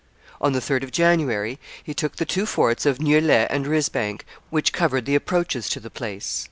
On the 3d of January he took the two forts of Nieullay and Risbank, which covered the approaches to the place.